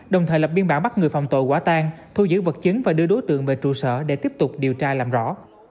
đồng thời lập biên bản bắt người phạm tội quả tan thu giữ vật chứng và đưa đối tượng về trụ sở để tiếp tục điều tra làm rõ